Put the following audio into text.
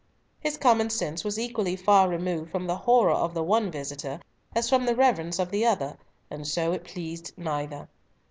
His common sense was equally far removed from the horror of the one visitor as from the reverence of the other, and so it pleased neither.